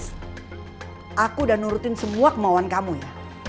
aku udah nurutin semua kemauan kamu ya